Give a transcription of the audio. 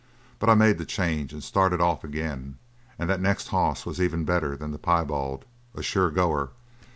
But I made the change and started off agin, and that next hoss was even better than the piebald a sure goer!